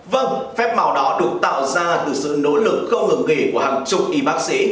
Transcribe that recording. vâng phép màu đó được tạo ra từ sự nỗ lực không ngừng nghỉ của hàng chục y bác sĩ